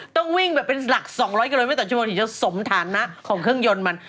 ต้องวิ่งแบบเป็นหลัก๒๐๐กิโลเมตรต่อชั่วโมงถึงจะสมฐานะของเครื่องยนต์มัน